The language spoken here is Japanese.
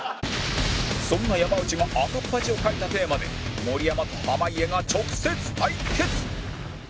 そんな山内が赤っ恥をかいたテーマで盛山と濱家が直接対決！